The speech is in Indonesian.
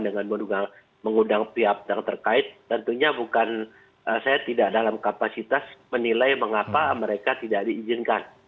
dengan mengundang pihak yang terkait tentunya bukan saya tidak dalam kapasitas menilai mengapa mereka tidak diizinkan